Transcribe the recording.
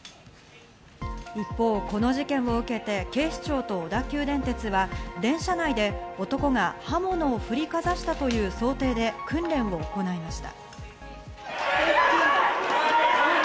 一方、この事件を受けて警視庁と小田急電鉄は、電車内で男が刃物を振りかざしたという想定で訓練を行いました。